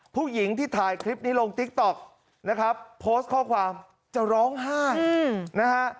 ผู้หญิงที่ถ่ายคลิปนี้ลงติ๊กต๊อกนะครับโพสต์ข้อความจะร้องไห้นะฮะ